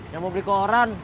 yang mau beli koran